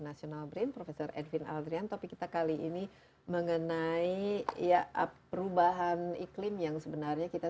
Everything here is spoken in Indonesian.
national brin profesor edwin aldrian topik kita kali ini mengenai ya perubahan iklim yang sebenarnya kita